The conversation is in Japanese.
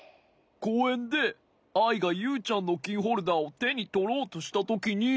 こうえんでアイがユウちゃんのキーホルダーをてにとろうとしたときに。